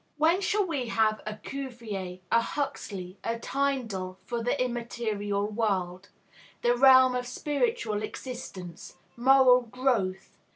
When shall we have a Cuvier, a Huxley, a Tyndall for the immaterial world, the realm of spiritual existence, moral growth?